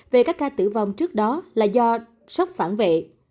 về các ca tử vong trước đó là do sốc phản vệ